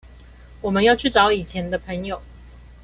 我們要去找以前的朋友